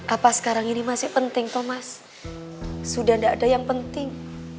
apa sekarang ini masih penting thomas sudah tidak ada yang penting